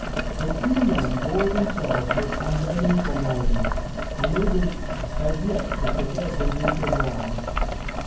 The two men bore themselves with unbending formality, unable as yet to forget their mutual wrongs.